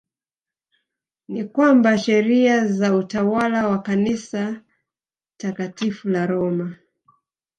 Ni kwamba sheria za utawala wa kanisa Takatifu la Roma